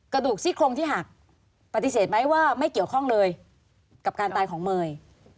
กระดูกซี่โครงที่หักปฏิเสธไหมว่าไม่เกี่ยวข้องเลยกับการตายของเมย์